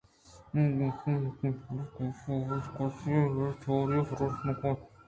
آ گپ نہ کنت بلئے کاف ءَ ابید کس آئی ءِ بے تواری ءَپرٛوشت نہ کنت